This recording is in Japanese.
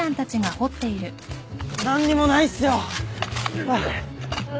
何にもないっすよ。